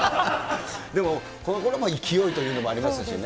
でも、このころの勢いというのもありますしね。